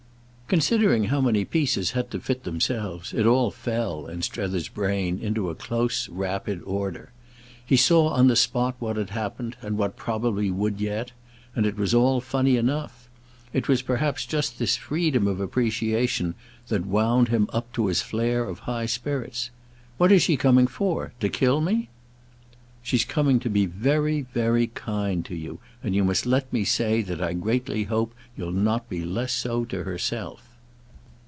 Considering how many pieces had to fit themselves, it all fell, in Strether's brain, into a close rapid order. He saw on the spot what had happened, and what probably would yet; and it was all funny enough. It was perhaps just this freedom of appreciation that wound him up to his flare of high spirits. "What is she coming for?—to kill me?" "She's coming to be very very kind to you, and you must let me say that I greatly hope you'll not be less so to herself."